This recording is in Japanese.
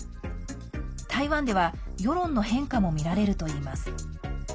台湾では世論の変化もみられるといいます。